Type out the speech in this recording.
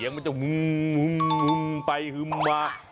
เสียงมันจะไปมา